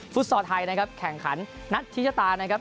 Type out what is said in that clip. ฟอร์ไทยนะครับแข่งขันนัทชิชตานะครับ